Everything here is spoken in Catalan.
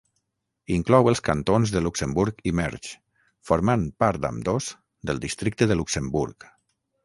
Inclou els cantons de Luxemburg i Mersch, formant part ambdós del Districte de Luxemburg.